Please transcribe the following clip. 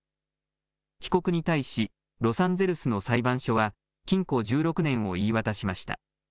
被告に対しロサンゼルスの裁判所は禁錮１６年を言い渡しました。